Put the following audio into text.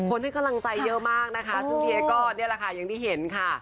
ให้กำลังใจเยอะมากนะคะซึ่งพี่เอ๊ก็นี่แหละค่ะอย่างที่เห็นค่ะ